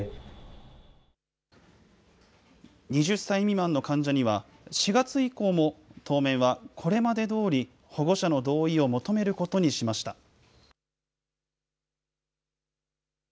２０歳未満の患者には、４月以降も、当面はこれまでどおり、保護者の同意を求めることにしました。